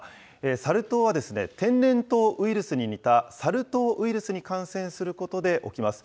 サル痘は、天然痘ウイルスに似たサル痘ウイルスに感染することで起きます。